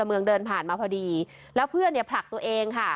เมืองเดินผ่านมาพอดีแล้วเพื่อนเนี่ยผลักตัวเองค่ะ